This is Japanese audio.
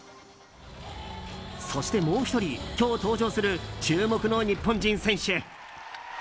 そしてもう１人今日登場する注目の日本人選手。